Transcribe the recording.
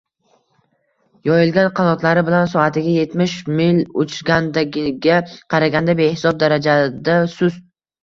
yoyilgan qanotlari bilan soatiga yetmish mil uchgandagiga qaraganda, behisob darajada sust;